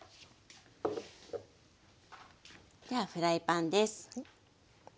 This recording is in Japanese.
ではフライパンです。